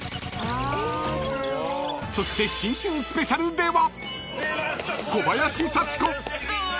［そして新春スペシャルでは］